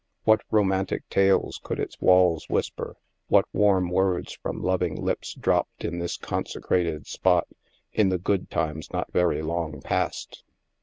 What romantic tales could its walls whisper, what warm words from lov ing lips dropped in this consecrated spot, in the good times not very long past?